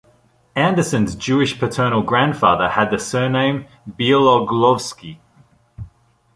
Anderson's Jewish paternal grandfather had the surname Bieloglovski.